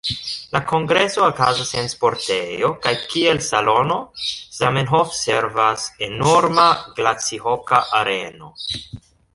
La kongreso okazas en sportejo, kaj kiel salono Zamenhof servas enorma glacihokea areno.